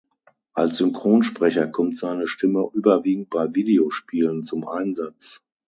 Als Synchronsprecher kommt seine Stimme überwiegend bei Videospielen zum Einsatz.